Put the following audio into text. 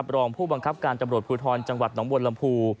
รองผู้บังคับการตำรวจภูทรจังหวัดหนองบวนลำพู